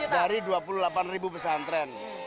dari dua puluh delapan ribu pesantren